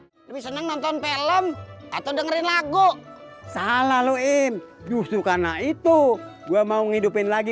hai lebih seneng nonton film atau dengerin lagu salah loin justru karena itu gua mau ngidupin lagi